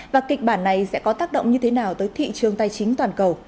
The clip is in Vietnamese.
và kịch bản này sẽ có tác động như thế nào tới thị trường tài chính toàn cầu